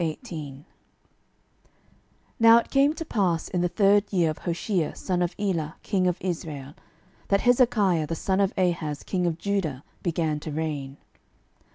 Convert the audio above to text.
12:018:001 Now it came to pass in the third year of Hoshea son of Elah king of Israel, that Hezekiah the son of Ahaz king of Judah began to reign.